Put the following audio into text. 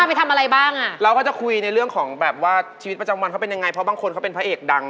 พี่ต้องจ่ายเงินเท่าไหร่ถึงจะไปออกแล้วได้